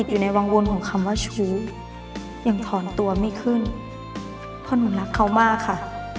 ยังถอนตัวไม่ขึ้นเพราะหนุ่มรักเขามากค่ะ